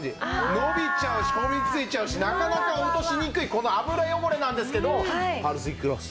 伸びちゃうしこびり付いちゃうしなかなか落としにくいこの油汚れなんですけどパルスイクロス。